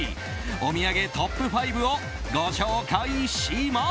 お土産トップ５をご紹介します。